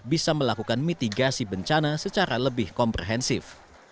bisa melakukan mitigasi bencana secara lebih komprehensif